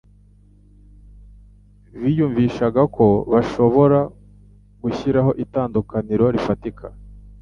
Biyumvishaga ko bashobora gushyiraho itandukaniro rifatika